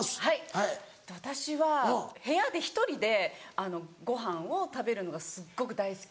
はい私は部屋で１人でご飯を食べるのがすっごく大好きで。